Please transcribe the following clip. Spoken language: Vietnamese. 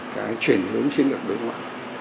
cái chuyển hướng chiến lược đối ngoại